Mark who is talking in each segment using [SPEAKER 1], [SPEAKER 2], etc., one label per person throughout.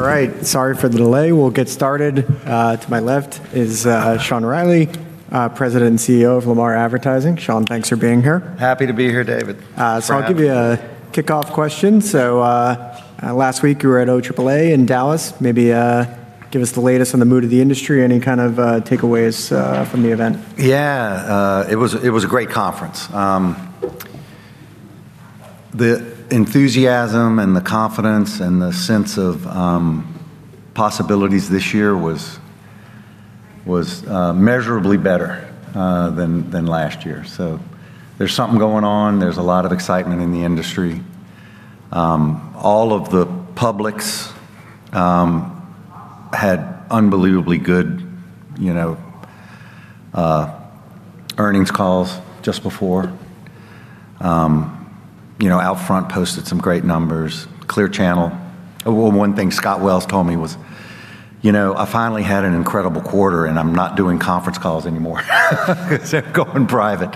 [SPEAKER 1] All right. Sorry for the delay. We'll get started. To my left is Sean Reilly, President and CEO of Lamar Advertising. Sean, thanks for being here.
[SPEAKER 2] Happy to be here, David.
[SPEAKER 1] Uh, so
[SPEAKER 2] Proud to be.
[SPEAKER 1] I'll give you a kickoff question. Last week you were at OAAA in Dallas. Maybe give us the latest on the mood of the industry. Any kind of takeaways from the event?
[SPEAKER 2] Yeah. it was a great conference. The enthusiasm and the confidence and the sense of possibilities this year was measurably better than last year. There's something going on. There's a lot of excitement in the industry. All of the publics had unbelievably good, you know, earnings calls just before. You know, Outfront posted some great numbers. Clear Channel. Oh, well, one thing Scott Wells told me was, "You know, I finally had an incredible quarter and I'm not doing conference calls anymore." He said, "Going private."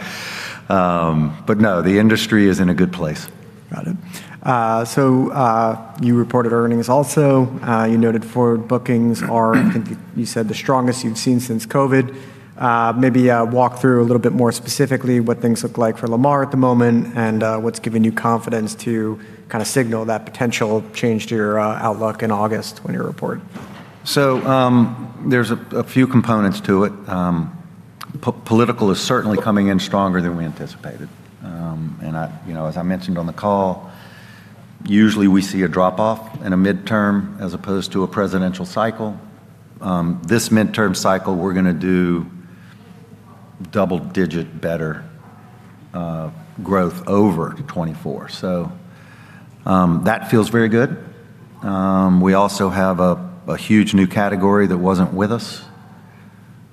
[SPEAKER 2] No, the industry is in a good place.
[SPEAKER 1] Got it. You reported earnings also. You noted forward bookings, I think you said the strongest you've seen since COVID. Maybe, walk through a little bit more specifically what things look like for Lamar at the moment and what's giving you confidence to kind of signal that potential change to your outlook in August when you report.
[SPEAKER 2] There's a few components to it. Political is certainly coming in stronger than we anticipated. I, you know, as I mentioned on the call, usually we see a drop-off in a midterm as opposed to a presidential cycle. This midterm cycle we're gonna do double-digit better growth over 2024. That feels very good. We also have a huge new category that wasn't with us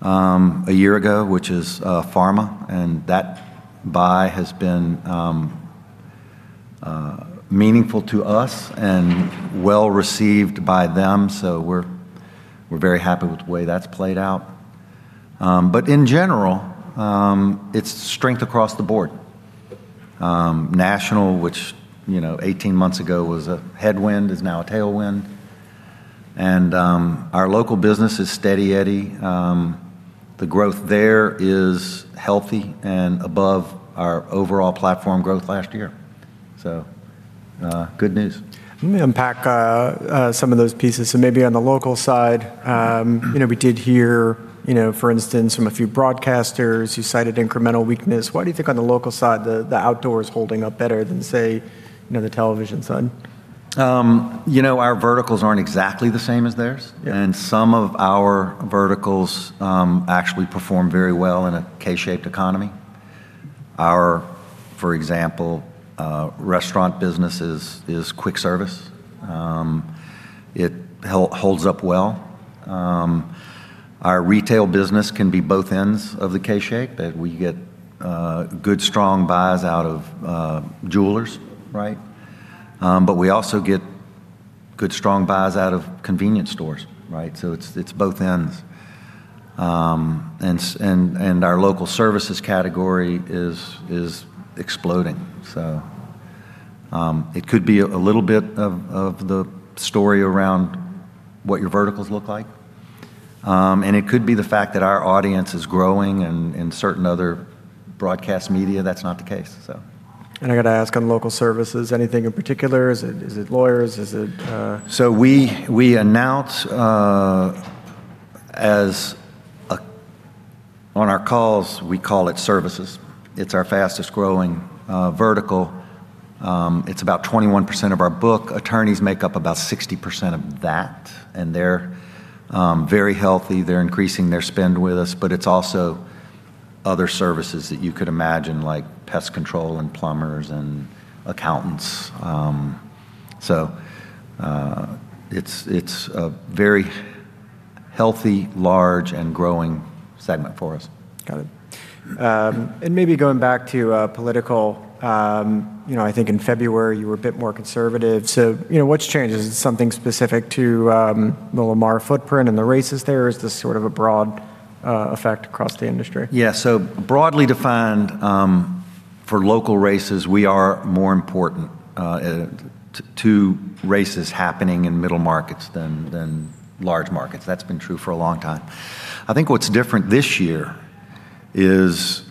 [SPEAKER 2] a year ago, which is pharma, and that buy has been meaningful to us and well-received by them. We're very happy with the way that's played out. In general, it's strength across the board. National, which, you know, 18 months ago was a headwind, is now a tailwind. Our local business is steady eddy. The growth there is healthy and above our overall platform growth last year. Good news.
[SPEAKER 1] Let me unpack some of those pieces. Maybe on the local side, you know, we did hear, you know, for instance from a few broadcasters, you cited incremental weakness. Why do you think on the local side the outdoor is holding up better than, say, you know, the television side?
[SPEAKER 2] You know, our verticals aren't exactly the same as theirs.
[SPEAKER 1] Yeah.
[SPEAKER 2] Some of our verticals actually perform very well in a K-shaped economy. Our, for example, restaurant business is quick service. It holds up well. Our retail business can be both ends of the K shape. That we get good strong buys out of jewelers, right? We also get good strong buys out of convenience stores, right? It's both ends. Our local services category is exploding. It could be a little bit of the story around what your verticals look like. It could be the fact that our audience is growing in certain other broadcast media that's not the case.
[SPEAKER 1] I got to ask on local services, anything in particular? Is it lawyers?
[SPEAKER 2] We announce, as a On our calls, we call it services. It's our fastest growing vertical. It's about 21% of our book. Attorneys make up about 60% of that, and they're very healthy. They're increasing their spend with us. It's also other services that you could imagine, like pest control and plumbers and accountants. It's a very healthy, large and growing segment for us.
[SPEAKER 1] Got it. Maybe going back to political, you know, I think in February you were a bit more conservative. You know, what's changed? Is it something specific to the Lamar footprint and the races there? Is this sort of a broad effect across the industry?
[SPEAKER 2] Yeah. Broadly defined, for local races, we are more important to races happening in middle markets than large markets. That's been true for a long time. I think what's different this year is,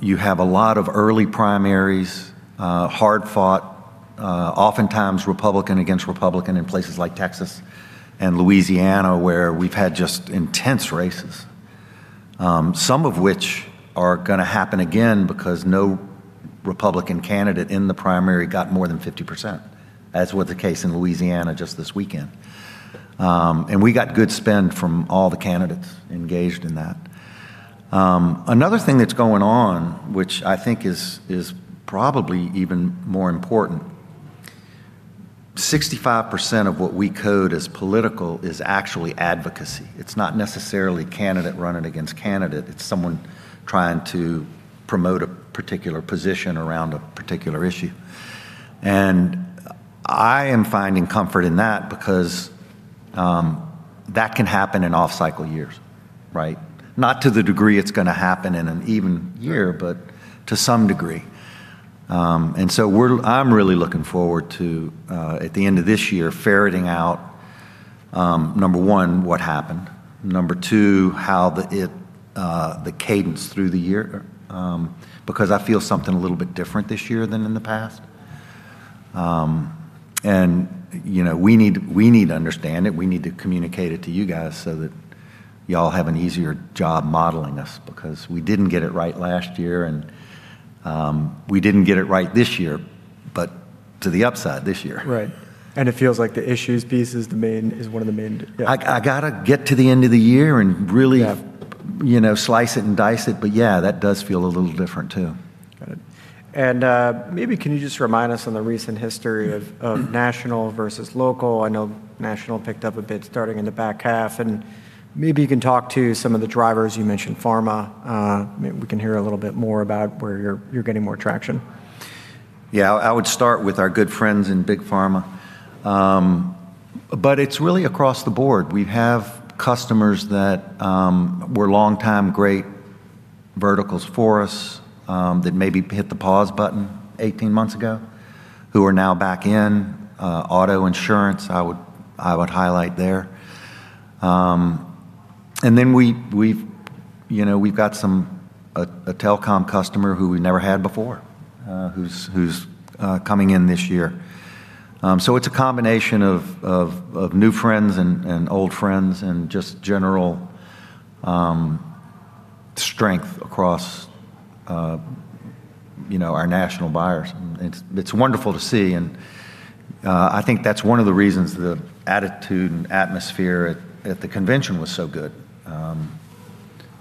[SPEAKER 2] you have a lot of early primaries, hard-fought, oftentimes Republican against Republican in places like Texas and Louisiana, where we've had just intense races. Some of which are gonna happen again because no Republican candidate in the primary got more than 50%, as was the case in Louisiana just this weekend. We got good spend from all the candidates engaged in that. Another thing that's going on, which I think is probably even more important, 65% of what we code as political is actually advocacy. It's not necessarily candidate running against candidate. It's someone trying to promote a particular position around a particular issue. I am finding comfort in that because, That can happen in off-cycle years, right? Not to the degree it's gonna happen in an even year.
[SPEAKER 1] Right
[SPEAKER 2] To some degree. I'm really looking forward to, at the end of this year, ferreting out, number one, what happened, number two, how the cadence through the year, because I feel something a little bit different this year than in the past. you know, we need to understand it, we need to communicate it to you guys so that y'all have an easier job modeling us because we didn't get it right last year, and we didn't get it right this year, but to the upside this year.
[SPEAKER 1] Right. It feels like the issues piece is one of the main. Yeah.
[SPEAKER 2] I gotta get to the end of the year.
[SPEAKER 1] Yeah
[SPEAKER 2] you know, slice it and dice it, yeah, that does feel a little different too.
[SPEAKER 1] Got it. Maybe can you just remind us on the recent history of national versus local? I know national picked up a bit starting in the back half, and maybe you can talk to some of the drivers. You mentioned pharma. Maybe we can hear a little bit more about where you're getting more traction.
[SPEAKER 2] Yeah, I would start with our good friends in big pharma. It's really across the board. We have customers that were longtime great verticals for us that maybe hit the pause button 18 months ago, who are now back in. Auto insurance, I would highlight there. We've, you know, we've got some a telecom customer who we never had before, who's coming in this year. It's a combination of new friends and old friends and just general strength across, you know, our national buyers. It's wonderful to see. I think that's one of the reasons the attitude and atmosphere at the convention was so good.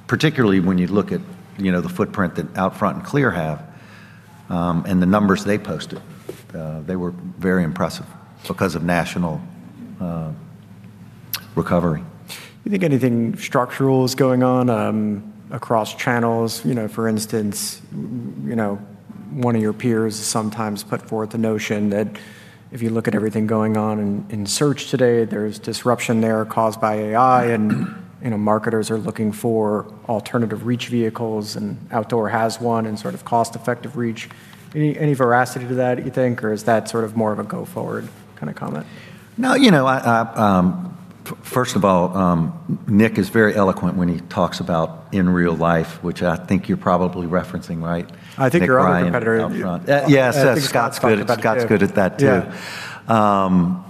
[SPEAKER 2] Particularly when you look at, you know, the footprint that Outfront and Clear have, and the numbers they posted. They were very impressive because of national recovery.
[SPEAKER 1] You think anything structural is going on across channels? You know, for instance, you know, one of your peers sometimes put forth the notion that if you look at everything going on in search today, there's disruption there caused by AI, you know, marketers are looking for alternative reach vehicles, and outdoor has one and sort of cost-effective reach. Any veracity to that you think, or is that sort of more of a go forward kind of comment?
[SPEAKER 2] No, you know, I, first of all, Nick Brien is very eloquent when he talks about in real life, which I think you're probably referencing, right?
[SPEAKER 1] I think your other competitor
[SPEAKER 2] Nick Brien Outfront. Yes, Scott's good.
[SPEAKER 1] I think it was talked about too.
[SPEAKER 2] Scott's good at that too.
[SPEAKER 1] Yeah.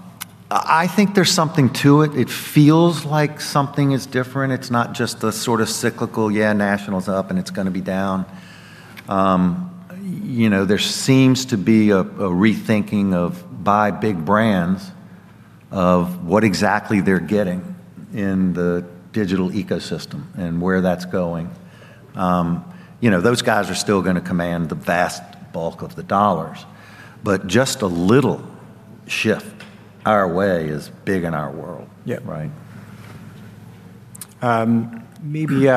[SPEAKER 2] I think there's something to it. It feels like something is different. It's not just the sort of cyclical, "Yeah, national's up and it's going to be down." you know, there seems to be a rethinking of by big brands of what exactly they're getting in the digital ecosystem and where that's going. you know, those guys are still going to command the vast bulk of the dollars. Just a little shift our way is big in our world.
[SPEAKER 1] Yeah.
[SPEAKER 2] Right?
[SPEAKER 1] Maybe,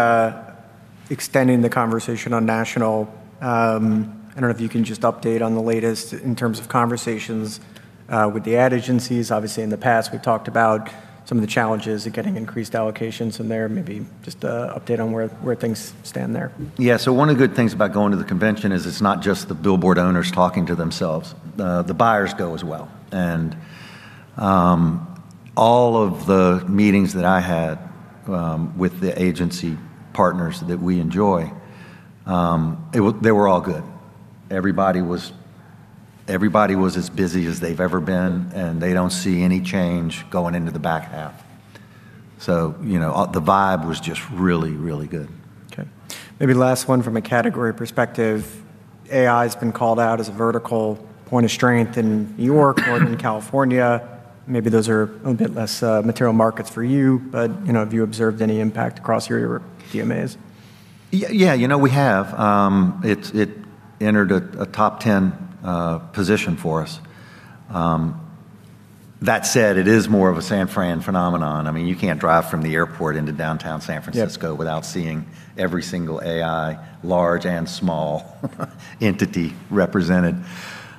[SPEAKER 1] extending the conversation on national, I don't know if you can just update on the latest in terms of conversations with the ad agencies. Obviously, in the past, we've talked about some of the challenges of getting increased allocations in there. Maybe just a update on where things stand there.
[SPEAKER 2] Yeah. One of the good things about going to the convention is it's not just the billboard owners talking to themselves. The buyers go as well. All of the meetings that I had with the agency partners that we enjoy, they were all good. Everybody was as busy as they've ever been, and they don't see any change going into the back half. You know, the vibe was just really, really good.
[SPEAKER 1] Okay. Maybe last one from a category perspective. AI's been called out as a vertical point of strength in N.Y. or in California. Maybe those are a bit less material markets for you. You know, have you observed any impact across your DMAs?
[SPEAKER 2] Yeah. You know, we have. It entered a top 10 position for us. That said, it is more of a San Fran phenomenon. I mean, you can't drive from the airport into downtown San Francisco.
[SPEAKER 1] Yeah
[SPEAKER 2] without seeing every single AI, large and small- entity represented.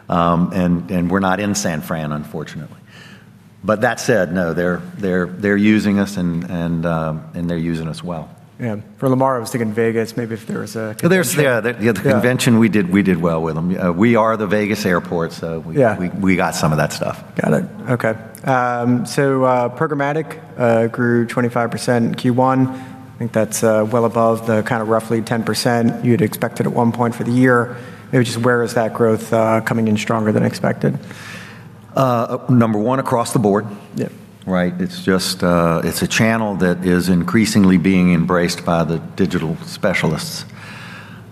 [SPEAKER 2] We're not in San Fran, unfortunately. That said, no, they're using us and they're using us well.
[SPEAKER 1] Yeah. For Lamar, I was thinking Vegas, maybe if there was a convention.
[SPEAKER 2] Well, there's, yeah, the.
[SPEAKER 1] Yeah
[SPEAKER 2] We did well with them. We are the Vegas airport.
[SPEAKER 1] Yeah
[SPEAKER 2] We got some of that stuff.
[SPEAKER 1] Got it. Okay. programmatic grew 25% in Q1. I think that's well above the kind of roughly 10% you'd expected at one point for the year. Maybe just where is that growth coming in stronger than expected?
[SPEAKER 2] Number one, across the board.
[SPEAKER 1] Yeah.
[SPEAKER 2] Right? It's just, it's a channel that is increasingly being embraced by the digital specialists.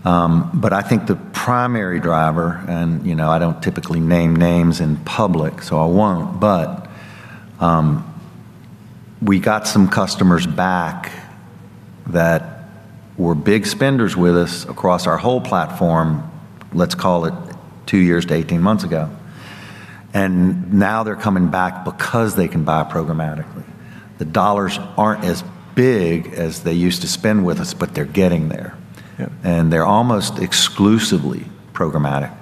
[SPEAKER 2] I think the primary driver, and, you know, I don't typically name names in public, so I won't. We got some customers back that were big spenders with us across our whole platform, let's call it two years to 18 months ago, and now they're coming back because they can buy programmatically. The dollars aren't as big as they used to spend with us, but they're getting there.
[SPEAKER 1] Yeah.
[SPEAKER 2] They're almost exclusively programmatic,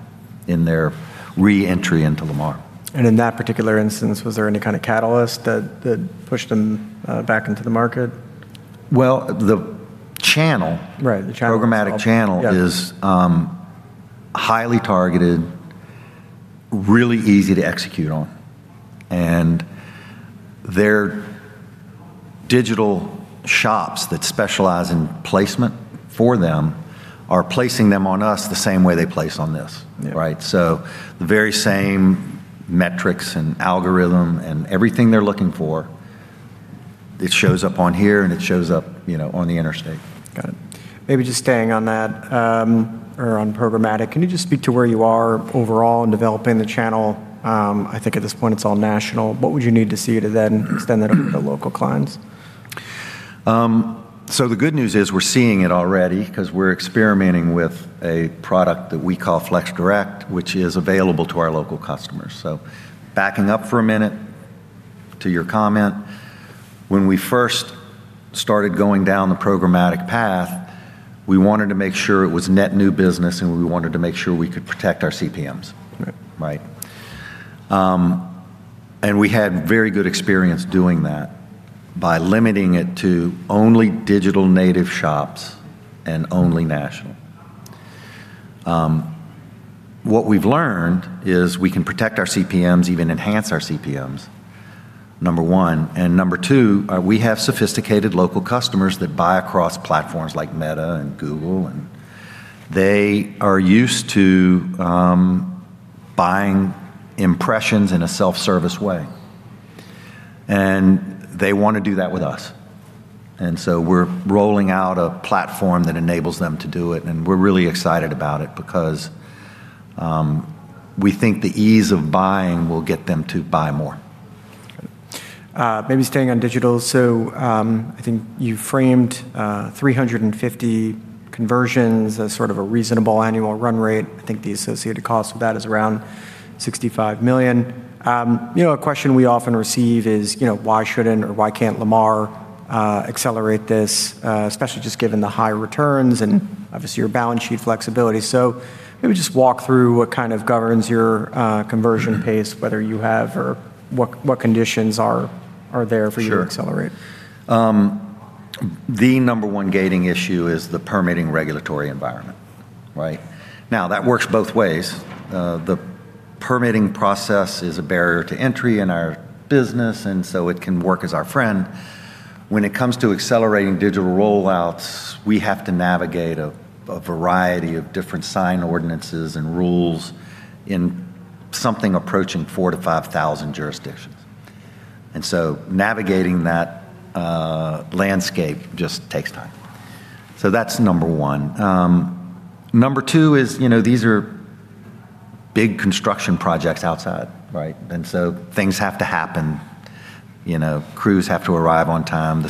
[SPEAKER 2] in their re-entry into Lamar.
[SPEAKER 1] In that particular instance, was there any kind of catalyst that pushed them back into the market?
[SPEAKER 2] Well.
[SPEAKER 1] Right, the channel.
[SPEAKER 2] programmatic channel.
[SPEAKER 1] Yeah
[SPEAKER 2] is highly targeted, really easy to execute on. Their digital shops that specialize in placement for them are placing them on us the same way they place on this.
[SPEAKER 1] Yeah.
[SPEAKER 2] Right? The very same metrics and algorithm and everything they're looking for, it shows up on here, and it shows up, you know, on the interstate.
[SPEAKER 1] Got it. Maybe just staying on that, or on programmatic, can you just speak to where you are overall in developing the channel? I think at this point it's all national. What would you need to see to then extend that out to local clients?
[SPEAKER 2] The good news is we're seeing it already, 'cause we're experimenting with a product that we call Flex Direct, which is available to our local customers. Backing up for a minute to your comment, when we first started going down the programmatic path, we wanted to make sure it was net new business, and we wanted to make sure we could protect our CPMs.
[SPEAKER 1] Right.
[SPEAKER 2] Right. We had very good experience doing that by limiting it to only digital native shops and only national. What we've learned is we can protect our CPMs, even enhance our CPMs, number one. Number two, we have sophisticated local customers that buy across platforms like Meta and Google, and they are used to buying impressions in a self-service way. They wanna do that with us. We're rolling out a platform that enables them to do it, and we're really excited about it because we think the ease of buying will get them to buy more.
[SPEAKER 1] Maybe staying on digital. I think you framed 350 conversions as sort of a reasonable annual run rate. I think the associated cost of that is around $65 million. You know, a question we often receive is, you know, why shouldn't or why can't Lamar accelerate this? Especially just given the high returns and. obviously your balance sheet flexibility. Maybe just walk through what kind of governs your conversion pace, whether you have or what conditions are there for you to accelerate?
[SPEAKER 2] Sure. The number one gating issue is the permitting regulatory environment, right. That works both ways. The permitting process is a barrier to entry in our business, it can work as our friend. When it comes to accelerating digital rollouts, we have to navigate a variety of different sign ordinances and rules in something approaching 4,000-5,000 jurisdictions. Navigating that landscape just takes time. That's number one. Number two is, you know, these are big construction projects outside, right. Things have to happen. You know, crews have to arrive on time.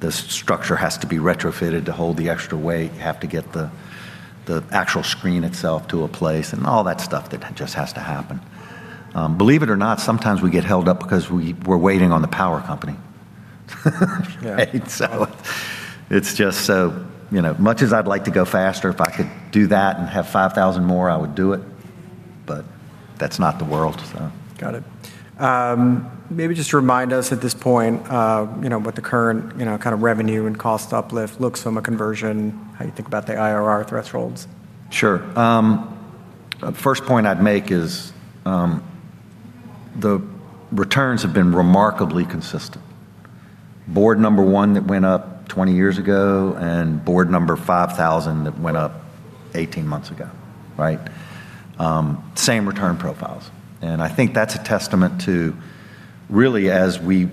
[SPEAKER 2] The structure has to be retrofitted to hold the extra weight. You have to get the actual screen itself to a place and all that stuff that just has to happen. Believe it or not, sometimes we get held up because we're waiting on the power company.
[SPEAKER 1] Yeah.
[SPEAKER 2] Right? It's just so You know, much as I'd like to go faster, if I could do that and have 5,000 more, I would do it. That's not the world.
[SPEAKER 1] Got it. Maybe just remind us at this point, you know, what the current, you know, kind of revenue and cost uplift looks from a conversion, how you think about the IRR thresholds.
[SPEAKER 2] Sure. First point I'd make is, the returns have been remarkably consistent. Board number 1 that went up 20 years ago, and board number 5,000 that went up 18 months ago, right? Same return profiles. I think that's a testament to really as we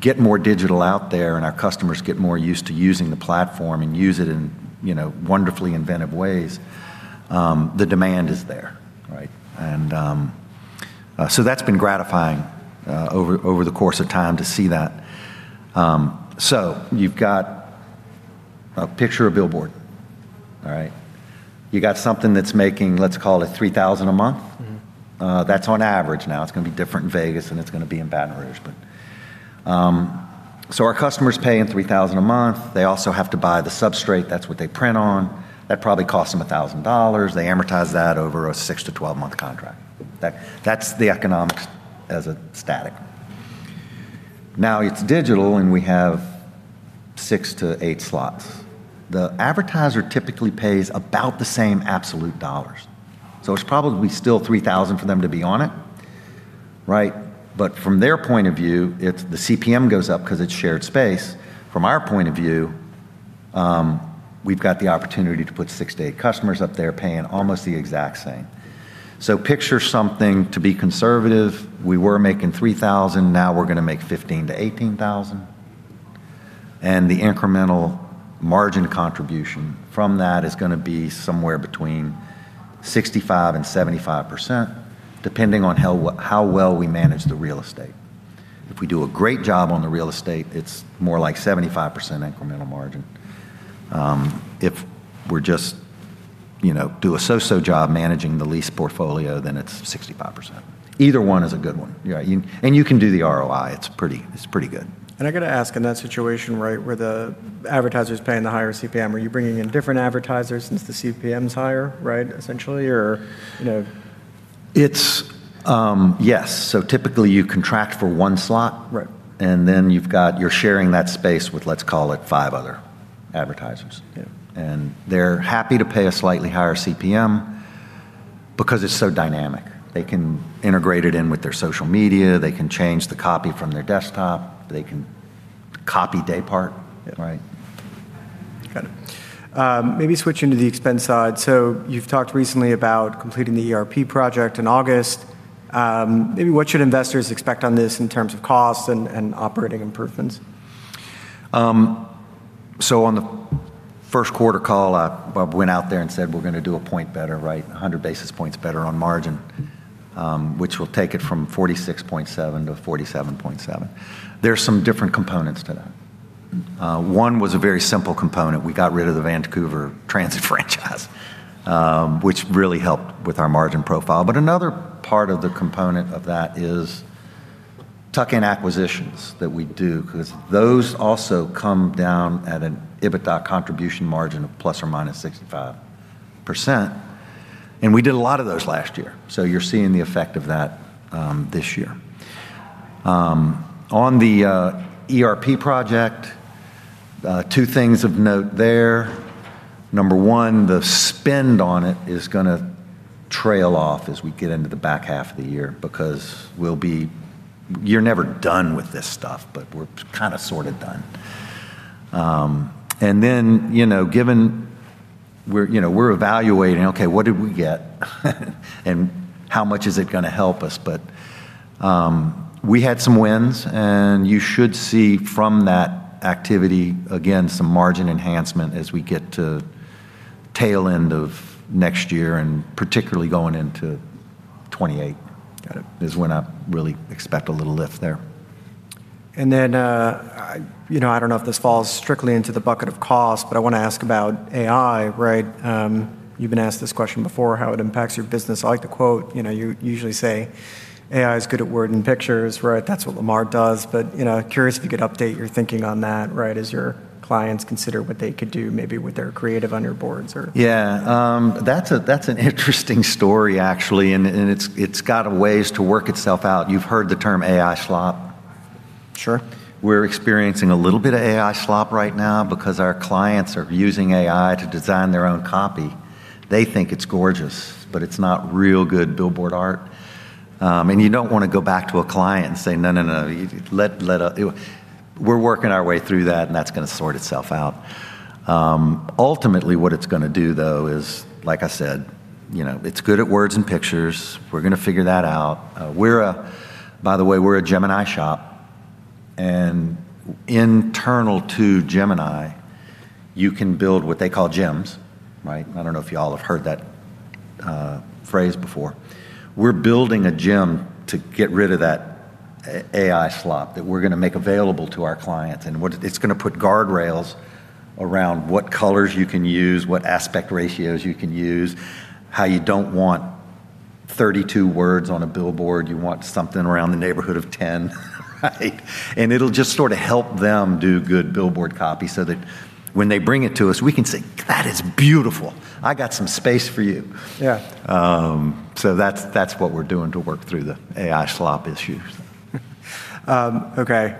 [SPEAKER 2] get more digital out there and our customers get more used to using the platform and use it in, you know, wonderfully inventive ways, the demand is there, right? That's been gratifying over the course of time to see that. You've got a picture of billboard, all right? You got something that's making, let's call it $3,000 a month. That's on average now. It's gonna be different in Vegas than it's gonna be in Baton Rouge. Our customers pay $3,000 a month. They also have to buy the substrate. That's what they print on. That probably costs them $1,000. They amortize that over a six to 12 month contract. That's the economics as a static. Now, it's digital, and we have six to eight slots. The advertiser typically pays about the same absolute dollars. It's probably still $3,000 for them to be on it, right? From their point of view, it's the CPM goes up because it's shared space. From our point of view, we've got the opportunity to put six to eight customers up there paying almost the exact same. Picture something to be conservative. We were making $3,000, now we're gonna make $15,000-$18,000. The incremental margin contribution from that is gonna be somewhere between 65% and 75%, depending on how well we manage the real estate. If we do a great job on the real estate, it's more like 75% incremental margin. If we're just, you know, do a so-so job managing the lease portfolio, then it's 65%. Either one is a good one. You can do the ROI. It's pretty, it's pretty good.
[SPEAKER 1] I gotta ask, in that situation, right, where the advertiser's paying the higher CPM, are you bringing in different advertisers since the CPM's higher, right, essentially?
[SPEAKER 2] It's yes. Typically you contract for one slot.
[SPEAKER 1] Right.
[SPEAKER 2] You're sharing that space with, let's call it five other advertisers.
[SPEAKER 1] Yeah.
[SPEAKER 2] They're happy to pay a slightly higher CPM because it's so dynamic. They can integrate it in with their social media. They can change the copy from their desktop. They can copy day part.
[SPEAKER 1] Yeah.
[SPEAKER 2] Right?
[SPEAKER 1] Got it. Maybe switching to the expense side. You've talked recently about completing the ERP project in August. Maybe what should investors expect on this in terms of costs and operating improvements?
[SPEAKER 2] On the first quarter call, I went out there and said, "We're gonna do 1 point better," right. 100 basis points better on margin, which will take it from 46.7 to 47.7. There's some different components to that. One was a very simple component. We got rid of the Vancouver transit franchise, which really helped with our margin profile. Another part of the component of that is tuck-in acquisitions that we do, 'cause those also come down at an EBITDA contribution margin of ±65%, and we did a lot of those last year, so you're seeing the effect of that this year. On the ERP project, two things of note there. Number one, the spend on it is gonna trail off as we get into the back half of the year because You're never done with this stuff, but we're kind of sort of done. Then, you know, given we're, you know, we're evaluating, okay, what did we get and how much is it gonna help us? We had some wins, and you should see from that activity, again, some margin enhancement as we get to tail end of next year, and particularly going into 2028.
[SPEAKER 1] Got it.
[SPEAKER 2] is when I really expect a little lift there.
[SPEAKER 1] I, you know, I don't know if this falls strictly into the bucket of cost, but I wanna ask about AI, right? You've been asked this question before, how it impacts your business. I like the quote. You know, you usually say, "AI is good at word and pictures," right? That's what Lamar does. You know, curious if you could update your thinking on that, right, as your clients consider what they could do maybe with their creative on your boards.
[SPEAKER 2] Yeah. That's an interesting story actually, and it's got a ways to work itself out. You've heard the term AI slop.
[SPEAKER 1] Sure.
[SPEAKER 2] We're experiencing a little bit of AI slop right now because our clients are using AI to design their own copy. They think it's gorgeous, it's not real good billboard art. You don't wanna go back to a client and say, "No, no. You let a." We're working our way through that, and that's gonna sort itself out. Ultimately, what it's gonna do though is, like I said, you know, it's good at words and pictures. We're gonna figure that out. We're a By the way, we're a Gemini shop, and internal to Gemini, you can build what they call gems, right? I don't know if y'all have heard that phrase before. We're building a gem to get rid of that AI slop, that we're gonna make available to our clients, and what it's gonna put guardrails around what colors you can use, what aspect ratios you can use, how you don't want 32 words on a billboard. You want something around the neighborhood of 10, right? It'll just sort of help them do good billboard copy so that when they bring it to us, we can say, "That is beautiful. I got some space for you.
[SPEAKER 1] Yeah.
[SPEAKER 2] That's what we're doing to work through the AI slop issues.
[SPEAKER 1] Okay.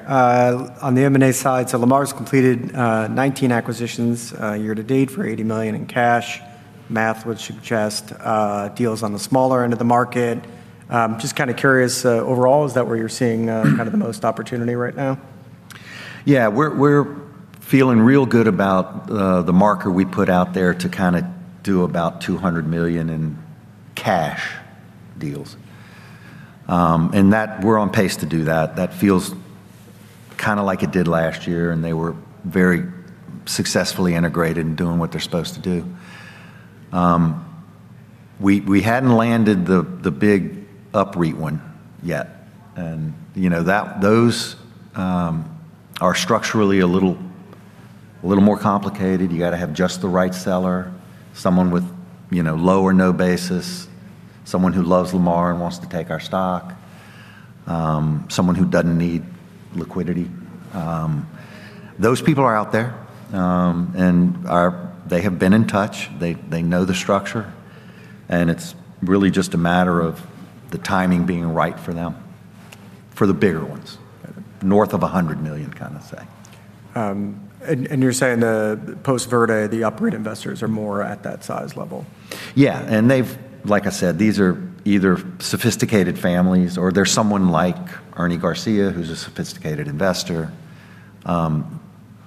[SPEAKER 1] On the M&A side, Lamar's completed 19 acquisitions year-to-date for $80 million in cash. Math would suggest, deals on the smaller end of the market. Just kinda curious, overall, is that where you're seeing kind of the most opportunity right now?
[SPEAKER 2] We're feeling real good about the marker we put out there to kinda do about $200 million in cash deals. That we're on pace to do that. That feels kinda like it did last year, and they were very successfully integrated in doing what they're supposed to do. We hadn't landed the big UPREIT one yet, and you know, that, those are structurally a little more complicated. You gotta have just the right seller, someone with, you know, low or no basis, someone who loves Lamar and wants to take our stock, someone who doesn't need liquidity. Those people are out there, and they have been in touch. They know the structure. It's really just a matter of the timing being right for them, for the bigger ones, north of $100 million kind of say.
[SPEAKER 1] You're saying the Verde Outdoor, the UPREIT investors are more at that size level?
[SPEAKER 2] Yeah. They've Like I said, these are either sophisticated families or they're someone like Ernie Garcia, who's a sophisticated investor.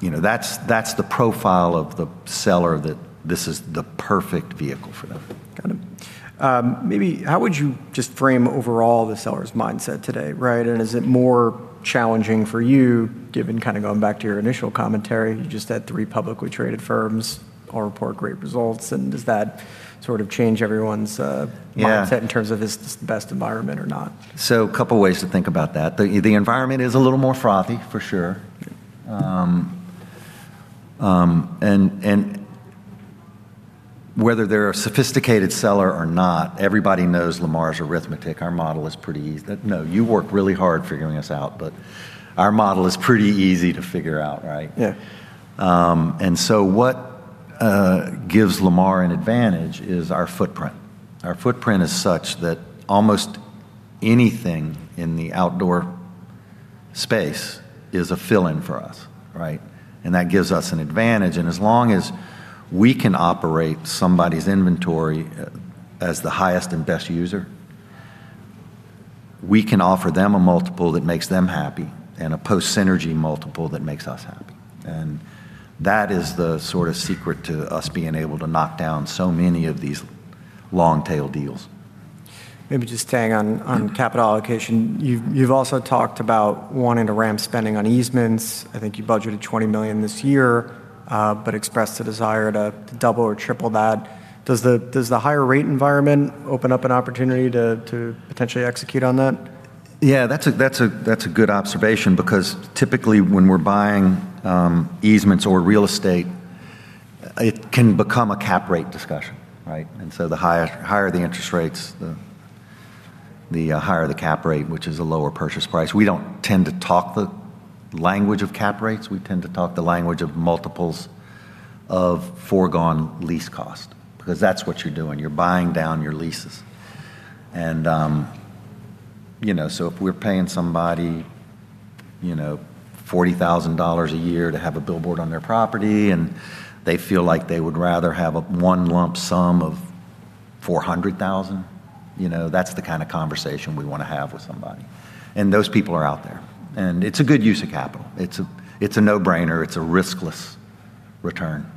[SPEAKER 2] You know, that's the profile of the seller that this is the perfect vehicle for them.
[SPEAKER 1] Got it. Maybe how would you just frame overall the seller's mindset today, right? Is it more challenging for you given kind of going back to your initial commentary, you just had three publicly traded firms all report great results, and does that sort of change everyone's?
[SPEAKER 2] Yeah
[SPEAKER 1] mindset in terms of is this the best environment or not?
[SPEAKER 2] A couple ways to think about that. The environment is a little more frothy, for sure. And whether they're a sophisticated seller or not, everybody knows Lamar's arithmetic. Our model is pretty easy, No, you work really hard figuring us out, but our model is pretty easy to figure out, right?
[SPEAKER 1] Yeah.
[SPEAKER 2] What gives Lamar an advantage is our footprint. Our footprint is such that almost anything in the outdoor space is a fill-in for us, right? That gives us an advantage, and as long as we can operate somebody's inventory as the highest and best user, we can offer them a multiple that makes them happy, and a post-synergy multiple that makes us happy. That is the sort of secret to us being able to knock down so many of these long tail deals.
[SPEAKER 1] Maybe just staying on capital allocation. You've also talked about wanting to ramp spending on easements. I think you budgeted $20 million this year, but expressed a desire to double or triple that. Does the higher rate environment open up an opportunity to potentially execute on that?
[SPEAKER 2] Yeah, that's a good observation because typically when we're buying easements or real estate, it can become a cap rate discussion, right? The higher the interest rates, the higher the cap rate, which is a lower purchase price. We don't tend to talk the language of cap rates, we tend to talk the language of multiples of foregone lease cost, because that's what you're doing. You're buying down your leases. You know, so if we're paying somebody, you know, $40,000 a year to have a billboard on their property, and they feel like they would rather have a one lump sum of $400,000, you know, that's the kind of conversation we wanna have with somebody. Those people are out there. It's a good use of capital. It's a no-brainer. It's a riskless return.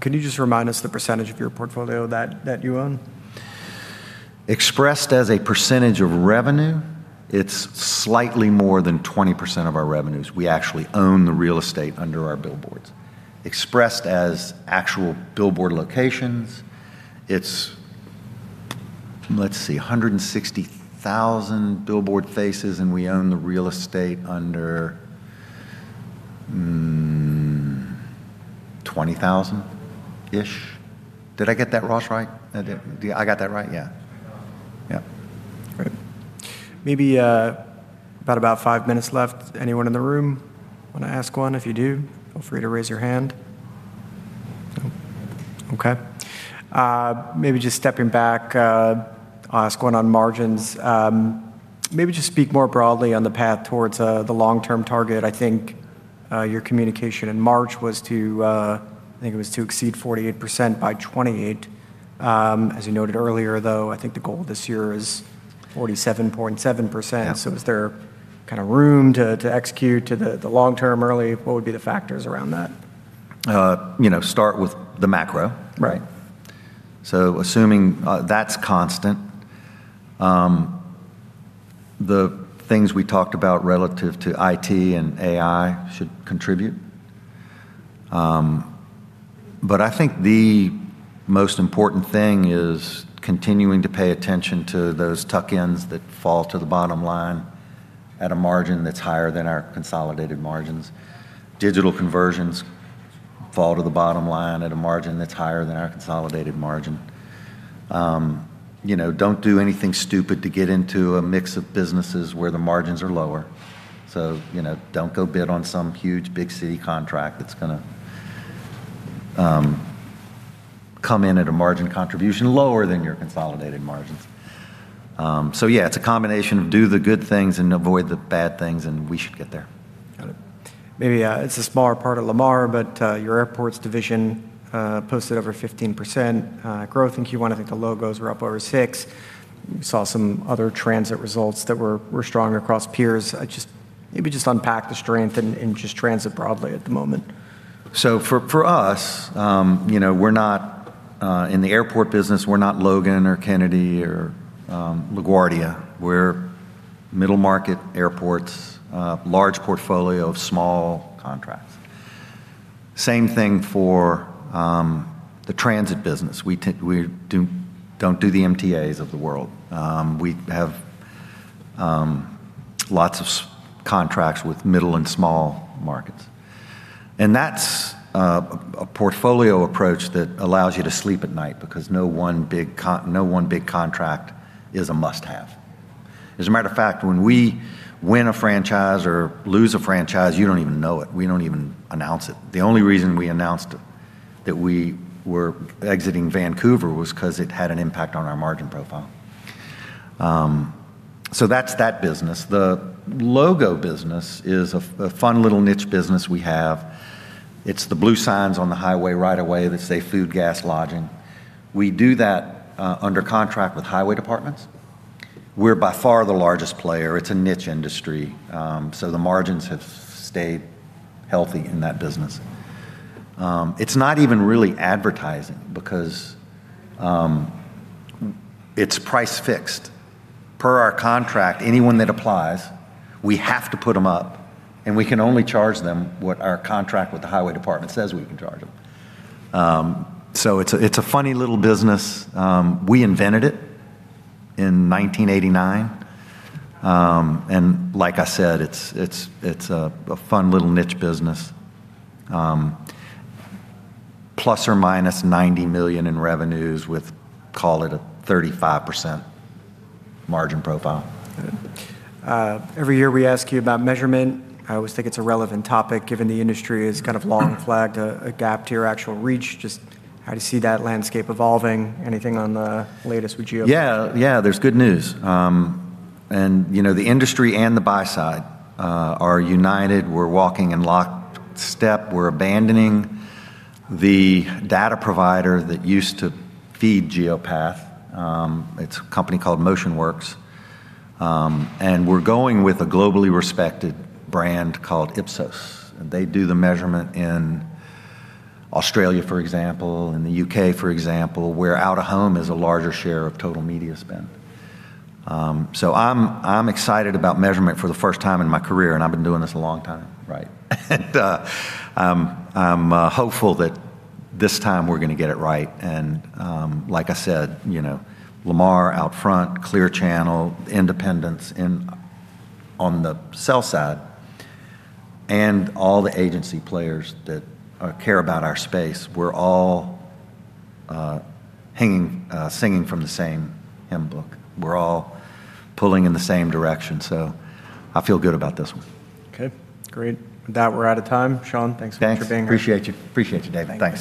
[SPEAKER 1] Could you just remind us the percentage of your portfolio that you own?
[SPEAKER 2] Expressed as a percentage of revenue, it's slightly more than 20% of our revenues, we actually own the real estate under our billboards. Expressed as actual billboard locations, it's, let's see, 160,000 billboard faces, and we own the real estate under 20,000. Did I get that roughly right?
[SPEAKER 1] Yeah.
[SPEAKER 2] I got that right? Yeah. Yeah.
[SPEAKER 1] Great. Maybe, about five minutes left. Anyone in the room wanna ask one? If you do, feel free to raise your hand. No. Okay. Maybe just stepping back, going on margins. Maybe just speak more broadly on the path towards the long-term target. I think your communication in March was to, I think it was to exceed 48% by 2028. As you noted earlier, though, I think the goal this year is 47.7%.
[SPEAKER 2] Yeah.
[SPEAKER 1] Is there kind of room to execute to the long term early? What would be the factors around that?
[SPEAKER 2] You know, start with the macro.
[SPEAKER 1] Right.
[SPEAKER 2] Assuming that's constant, the things we talked about relative to IT and AI should contribute. I think the most important thing is continuing to pay attention to those tuck-ins that fall to the bottom line at a margin that's higher than our consolidated margins. Digital conversions fall to the bottom line at a margin that's higher than our consolidated margin. You know, don't do anything stupid to get into a mix of businesses where the margins are lower. You know, don't go bid on some huge big city contract that's gonna come in at a margin contribution lower than your consolidated margins. Yeah, it's a combination of do the good things and avoid the bad things, and we should get there.
[SPEAKER 1] Got it. Maybe, it's a smaller part of Lamar, but, your airports division, posted over 15% growth in Q1. I think the logos were up over 6%. We saw some other transit results that were strong across peers. Maybe just unpack the strength in just transit broadly at the moment.
[SPEAKER 2] For us, you know, we're not in the airport business, we're not Logan or Kennedy or LaGuardia. We're middle market airports, large portfolio of small contracts. Same thing for the transit business. We don't do the MTAs of the world. We have lots of contracts with middle and small markets. That's a portfolio approach that allows you to sleep at night because no one big contract is a must-have. As a matter of fact, when we win a franchise or lose a franchise, you don't even know it. We don't even announce it. The only reason we announced it, that we were exiting Vancouver was 'cause it had an impact on our margin profile. That's that business. The logo business is a fun little niche business we have. It's the blue signs on the highway right away that say food, gas, lodging. We do that under contract with highway departments. We're by far the largest player. It's a niche industry, the margins have stayed healthy in that business. It's not even really advertising because it's price fixed. Per our contract, anyone that applies, we have to put them up, and we can only charge them what our contract with the highway department says we can charge them. It's a funny little business. We invented it in 1989. Like I said, it's a fun little niche business. ±$90 million in revenues with, call it a 35% margin profile.
[SPEAKER 1] Got it. Every year we ask you about measurement. I always think it's a relevant topic given the industry has kind of long flagged a gap to your actual reach. Just how do you see that landscape evolving? Anything on the latest with Geopath?
[SPEAKER 2] Yeah, yeah. There's good news. The industry and the buy side are united. We're walking in locked step. We're abandoning the data provider that used to feed Geopath. It's a company called Motionorks. We're going with a globally respected brand called Ipsos. They do the measurement in Australia, for example, in the U.K., for example, where out-of-home is a larger share of total media spend. I'm excited about measurement for the first time in my career, and I've been doing this a long time, right? I'm hopeful that this time we're gonna get it right. Like I said, you know, Lamar, Outfront, Clear Channel, independent, on the sell side, and all the agency players that care about our space, we're all hanging, singing from the same hymn book. We're all pulling in the same direction. I feel good about this one.
[SPEAKER 1] Okay. Great. With that, we're out of time. Sean, thanks for being here.
[SPEAKER 2] Thanks. Appreciate you. Appreciate you, David. Thanks.